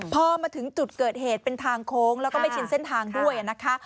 พอมาถึงจุดเกิดเหตุเป็นทางโค้งแล้วก็ไม่ชินเส้นทางด้วยนะคะ